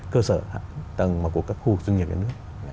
cơ sở tầng của các khu vực doanh nghiệp nhà nước